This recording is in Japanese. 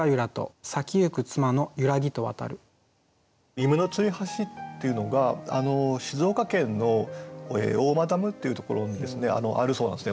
夢の吊り橋っていうのが静岡県の大間ダムっていうところにあるそうなんですね。